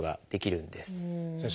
先生。